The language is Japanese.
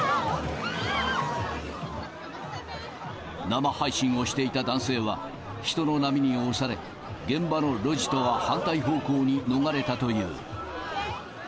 生配信をしていた男性は、人の波に押され、現場の路地とは反対方向に逃れたという。